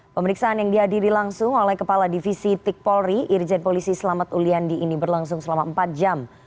pemeriksaan yang dihadiri langsung oleh kepala divisi tik polri irjen polisi selamat uliandi ini berlangsung selama empat jam